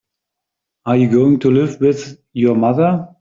Are you going to live with your mother?